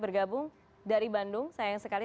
bergabung dari bandung sayang sekali